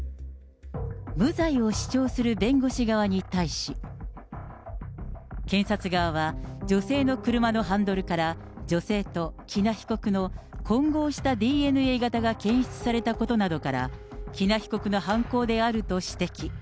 無罪を主張する弁護士側に対し、検察側は、女性の車のハンドルから、女性と喜納被告の混合したＤＮＡ型が検出されたことなどから、喜納被告の犯行であると指摘。